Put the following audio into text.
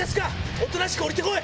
おとなしく下りて来い！